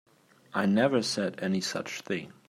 I never said any such thing.